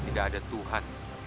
tidak ada tuhan